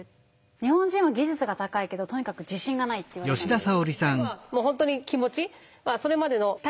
日本人は技術が高いけどとにかく自信がないって言われたんですよ。